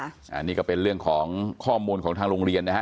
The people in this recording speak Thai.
อันนี้ก็เป็นเรื่องของข้อมูลของทางโรงเรียนนะฮะ